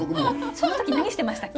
その時何してましたっけ？